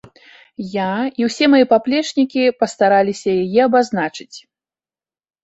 Я і ўсе мае паплечнікі пастараліся яе абазначыць.